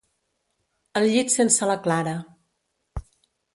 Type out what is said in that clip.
El llit sense la Clara.